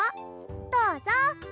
どうぞ。